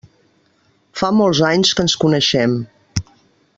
Fa molts anys que ens coneixem.